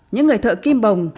những người thợ kim bồng